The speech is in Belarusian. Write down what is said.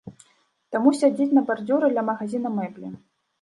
Таму сядзіць на бардзюры ля магазіна мэблі.